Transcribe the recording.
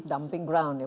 dumping ground ya